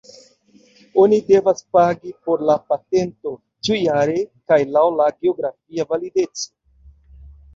Oni devas pagi por la patento ĉiujare kaj laŭ la geografia valideco.